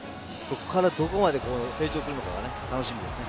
ここからどこまで成長するのか楽しみです。